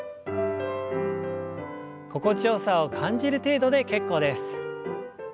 心地よさを感じる程度で結構です。